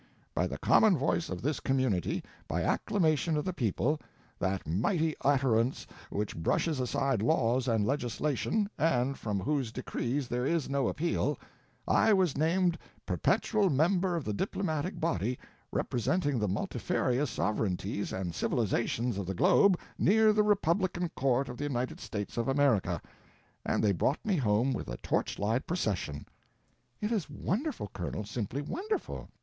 By the common voice of this community, by acclamation of the people, that mighty utterance which brushes aside laws and legislation, and from whose decrees there is no appeal, I was named Perpetual Member of the Diplomatic Body representing the multifarious sovereignties and civilizations of the globe near the republican court of the United States of America. And they brought me home with a torchlight procession." "It is wonderful, Colonel, simply wonderful."